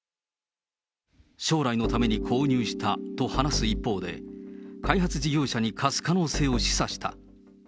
将来のために購入したと話す一方で、開発事業者に貸す可能性を示唆した。